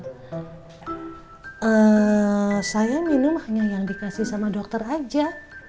saya minum hanya yang dikasih sama dokter aja